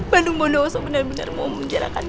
bandung bondowoso benar benar mau menjarakan